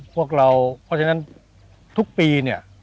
พวกเราเพราะฉะนั้นทุกปีเนี่ย